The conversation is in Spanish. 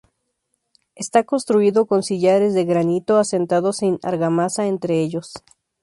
Está construido con sillares de granito asentados sin argamasa entre ellos.